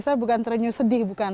saya bukan terenyuh sedih bukan